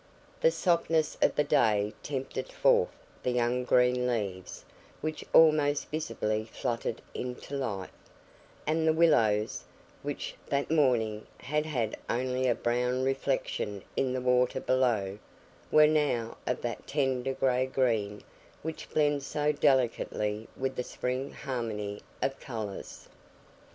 The softness of the day tempted forth the young green leaves, which almost visibly fluttered into life; and the willows, which that morning had had only a brown reflection in the water below, were now of that tender gray green which blends so delicately with the spring harmony of colours.